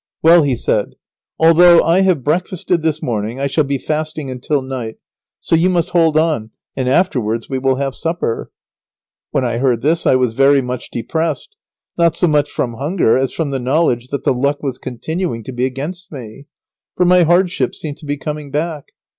"Well," he said, "although I have breakfasted this morning, I shall be fasting until night, so you must hold on, and afterwards we will have supper." [Sidenote: Lazaro sees trouble ahead about food, but he dissimulates.] When I heard this I was very much depressed, not so much from hunger, as from the knowledge that the luck was continuing to be against me. For my hardships seemed to be coming back.